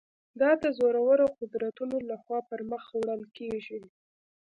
دا د زورورو قدرتونو له خوا پر مخ وړل کېږي.